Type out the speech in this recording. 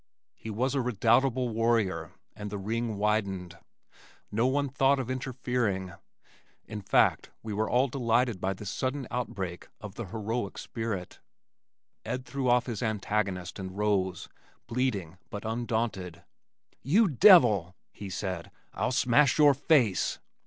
He was a redoubtable warrior and the ring widened. No one thought of interfering, in fact we were all delighted by this sudden outbreak of the heroic spirit. Ed threw off his antagonist and rose, bleeding but undaunted. "You devil," he said, "I'll smash your face."